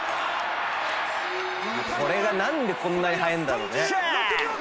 「これが何でこんなに速えんだろうね」